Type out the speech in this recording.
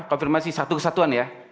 konfirmasi satu kesatuan ya